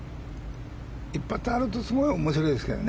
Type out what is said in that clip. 一発があると面白いですけどね。